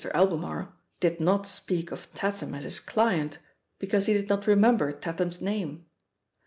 Albemarle did not speak of Tatham as his "client" because he did not remember Tatham's name.